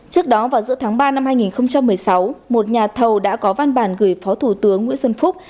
trước đó vào giữa tháng ba năm hai nghìn một mươi sáu một nhà thầu đã có văn bản gửi phó thủ tướng nguyễn xuân phúc